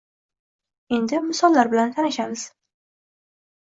Endi misollar bilan tanishamiz